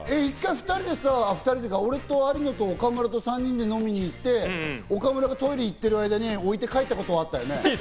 一回、俺と有野と岡村で３人で飲みに行って、岡村がトイレに行ってる間に置いて帰ったことはあったよね。